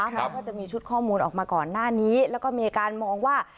เขาก็จะมีชุดข้อมูลออกมาก่อนหน้านี้แล้วก็มีการมองว่า